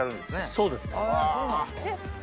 そうですね。